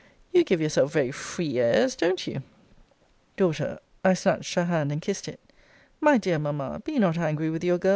You give yourself very free airs don't you? D. I snatched her hand, and kissed it My dear Mamma, be not angry with your girl!